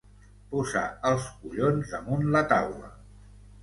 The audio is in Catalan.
Posar els collons damunt la taula.